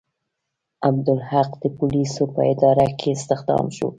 عبدالحق د پولیسو په اداره کې استخدام شو.